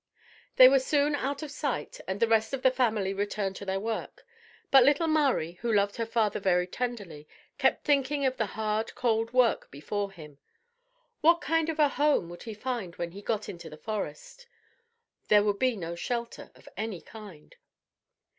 They were soon out of sight and the rest of the family returned to their work. But little Mari, who loved her father very tenderly, kept thinking of the hard, cold work before him. What kind of a home would he find when he got into the forest? There would be no shelter of any kind.